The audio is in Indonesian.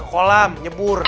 ke kolam nyebur